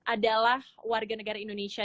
adalah warga negara indonesia